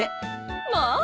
まあ。